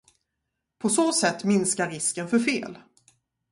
På så sätt minskar risken för fel.